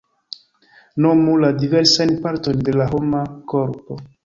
Nomu la diversajn partojn de la homa korpo.